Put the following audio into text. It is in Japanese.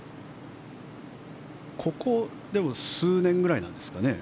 ここ数年ぐらいなんですかね。